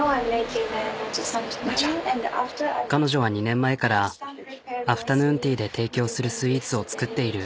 彼女は２年前からアフタヌーンティーで提供するスイーツを作っている。